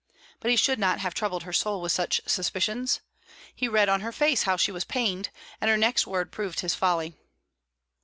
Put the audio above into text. But he should not have troubled her soul with such suspicions. He read on her face how she was pained, and her next word proved his folly.